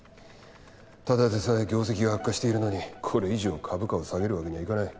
ただでさえ業績が悪化しているのにこれ以上株価を下げるわけにはいかない。